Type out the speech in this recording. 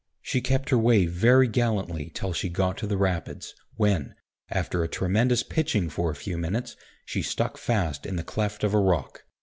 She kept her way very gallantly till she got to the Rapids, when, after a tremendous pitching for a few minutes, she stuck fast in the cleft of a rock.